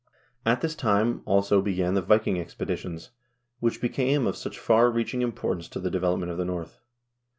At this time, also, began the Viking expeditions, which became of such far reaching importance to the development of the North.